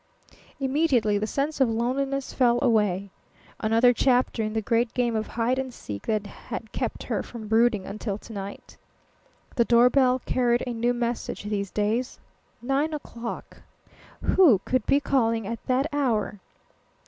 Immediately the sense of loneliness fell away. Another chapter in the great game of hide and seek that had kept her from brooding until to night? The doorbell carried a new message these days. Nine o'clock. Who could be calling at that hour?